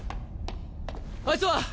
あいつは？